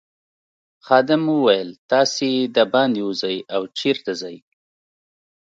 خادم وویل تاسي دباندې وزئ او چیرته ځئ.